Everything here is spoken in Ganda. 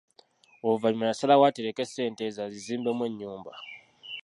Oluvannyuma yasalawo atereke ssente ezo azizimbemu ennyumba!